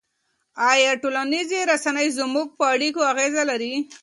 آیا ټولنیزې رسنۍ زموږ په اړیکو اغېز لري؟